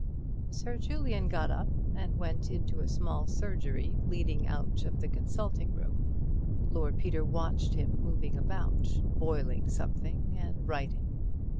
Sir Julian got up and went into a small surgery leading out of the consulting room. Lord Peter watched him moving about—boiling something and writing.